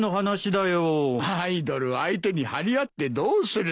アイドル相手に張り合ってどうする。